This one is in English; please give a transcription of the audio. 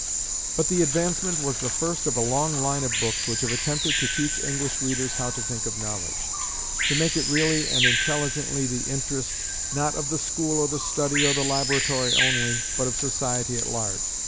But the Advancement was the first of a long line of books which have attempted to teach English readers how to think of knowledge; to make it really and intelligently the interest, not of the school or the study or the laboratory only, but of society at large.